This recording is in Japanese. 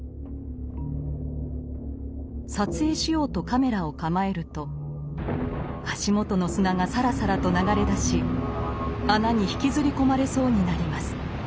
撮影しようとカメラを構えると足元の砂がサラサラと流れ出し穴に引きずり込まれそうになります。